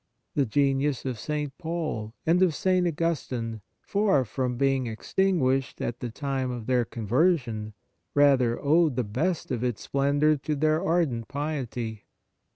The genius of St. Paul and of St. Augustine, far from being extinguished at the time of their conversion, rather owed the best of its splendour to their ardent piety.